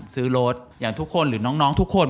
ซื้อรถอย่างทุกคนหรือน้องทุกคน